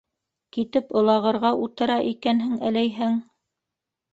Китеп олағырға утыра икәнһең, әләйһәң...